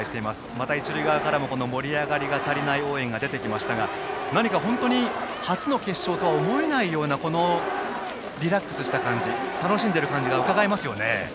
また一塁側からも盛り上がりが足りない応援が出てきましたが何か本当に初の決勝とは思えないようなリラックスした感じ楽しんでいる感じが伺えます。